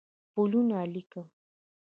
پلونه لیکم